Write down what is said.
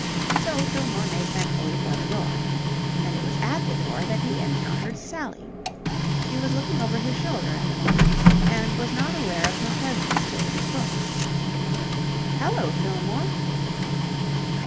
So Fillmore made thankfully for the door. And it was at the door that he encountered Sally. He was looking over his shoulder at the moment, and was not aware of her presence till she spoke. "Hallo, Fillmore!"